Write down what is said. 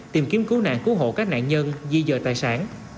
tìm kiếm cứu nạn cứu hộ các nạn nhân di dời tài sản